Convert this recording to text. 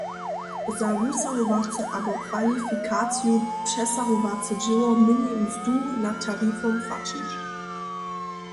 Za wusahowace abo kwalifikaciju přesahowace dźěło měli mzdu nad tarifom płaćić.